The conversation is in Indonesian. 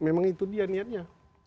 memang itu dia niatnya